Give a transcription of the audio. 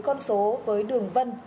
con số với đường vân